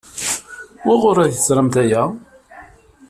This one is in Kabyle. Wuɣur ay d-teẓramt aya?